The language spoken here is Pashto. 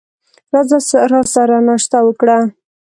راځه راسره ناشته وکړه !